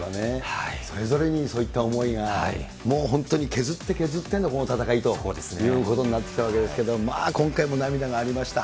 それぞれにそういった思いが、もう本当に削って削っての戦いということになってきたわけですけれども、今回も涙がありました。